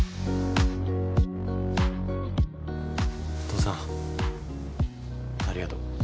父さんありがとう。